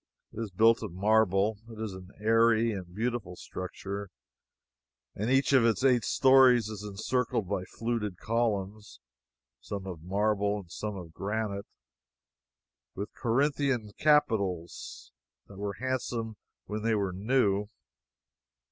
It is built of marble. It is an airy and a beautiful structure, and each of its eight stories is encircled by fluted columns, some of marble and some of granite, with Corinthian capitals that were handsome when they were new.